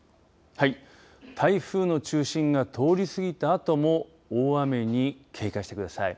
台風の中心が通り過ぎたあとも大雨に警戒してください。